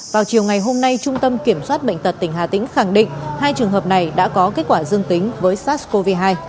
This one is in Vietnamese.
vào chiều ngày hôm nay trung tâm kiểm soát bệnh tật tỉnh hà tĩnh khẳng định hai trường hợp này đã có kết quả dương tính với sars cov hai